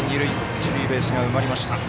一塁ベースが埋まりました。